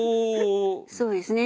そうですね